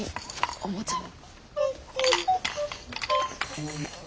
おもちゃも。